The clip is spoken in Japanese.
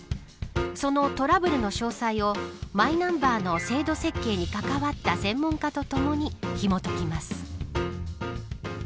そのトラブルの詳細をマイナンバーの制度設計に関わった専門家とともにひもときます。